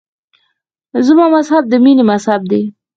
زما مذهب د مینې مذهب دی.